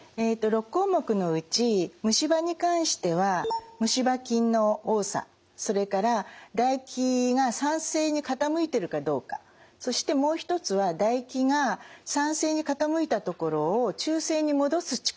６項目のうち虫歯に関しては虫歯菌の多さそれから唾液が酸性に傾いてるかどうかそしてもう一つは唾液が酸性に傾いたところを中性に戻す力